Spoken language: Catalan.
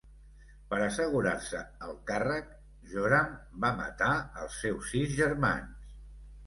Per assegurar-se el càrrec, Joram va matar els seus sis germans.